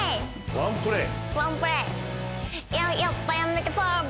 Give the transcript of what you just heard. ワンプレイ。